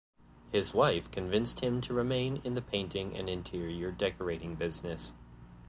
His wife convinced him to remain in the painting and interior decorating business.